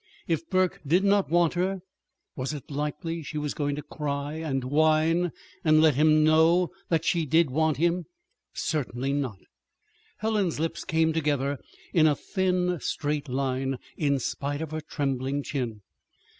If Burke did not want her, was it likely she was going to cry and whine, and let him know that she did want him? Certainly not! Helen's lips came together in a thin, straight line, in spite of her trembling chin.